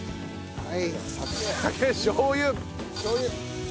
はい。